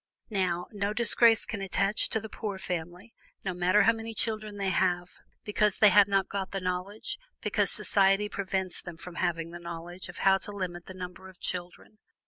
Now, no disgrace can attach to any poor family, no matter how many children they have, because they have not got the knowledge, because society prevents them from having the knowledge of how to limit the number of children.